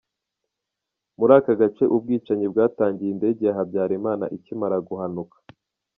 Muri aka gace ubwicanyi bwatangiye indege ya Habyarimana ikimara guhanuka.